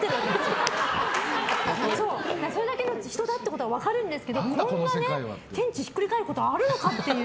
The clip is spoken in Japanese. それだけの人だってことは分かるんですけどこんな天地ひっくり返ることあるのかっていう。